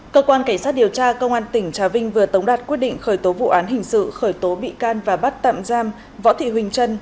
cơ quan cảnh sát điều tra công an tỉnh trà vinh vừa tống đạt quyết định khởi tố vụ án hình sự khởi tố bị can và bắt tạm giam võ thị huỳnh trân